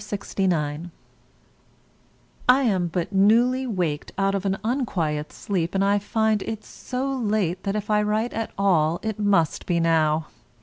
_ I am but newly waked out of an unquiet sleep, and I find it so late that if I write at all it must be now.